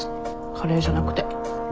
カレーじゃなくて。でしょ？